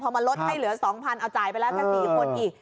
พอมาลดให้เหลือ๒๐๐เอาจ่ายไปแล้วถ้า๔คนอีก